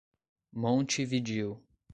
Montividiu